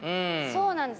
そうなんです。